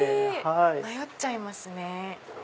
迷っちゃいますね。